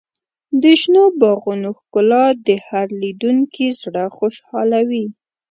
د شنو باغونو ښکلا د هر لیدونکي زړه خوشحالوي.